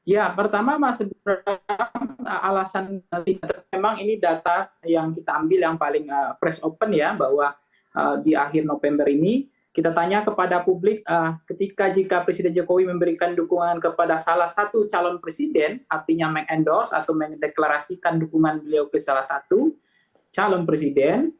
ya pertama alasan ini memang ini data yang kita ambil yang paling fresh open ya bahwa di akhir november ini kita tanya kepada publik ketika jika presiden jokowi memberikan dukungan kepada salah satu calon presiden artinya meng endorse atau meng deklarasikan dukungan beliau ke salah satu calon presiden